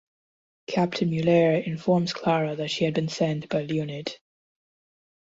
Captain Muller informs Klara that she had been sent by Leonid.